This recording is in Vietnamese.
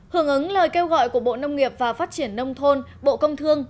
hưởng ứng lời kêu gọi của bộ nông nghiệp và phát triển nông thôn bộ công thương